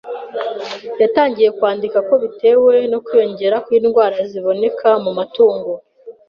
yatangiye kwandika ko bitewe no kwiyongera kw’indwara ziboneka mu matungo,